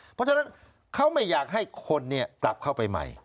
เพราะฉะนั้นเขาไม่อยากให้คนปรับเข้าไปใหม่